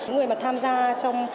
người mà tham gia trong